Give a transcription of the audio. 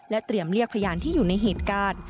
เตรียมเรียกพยานที่อยู่ในเหตุการณ์